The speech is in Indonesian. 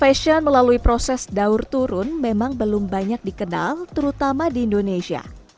fashion melalui proses daur turun memang belum banyak dikenal terutama di indonesia